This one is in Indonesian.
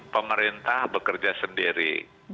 pemerintah bekerja sendiri